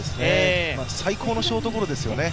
最高のショートゴロですよね。